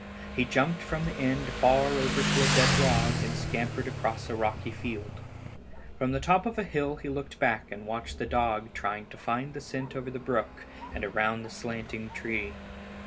He jumped from the end far over to a dead log and scampered across a rocky field. From the top of a hill he looked back and watched the dog trying to find the scent over the brook and around the slanting tree.